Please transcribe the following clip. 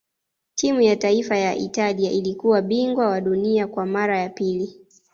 timu ya taifa ya italia ilikuwa bingwa wa dunia kwa mara ya pili